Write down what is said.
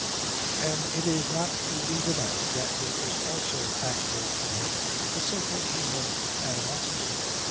And it is not to be denied that there was also active in him a simple human animosity.